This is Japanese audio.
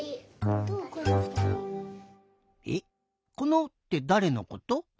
えっ「この」ってだれのこと？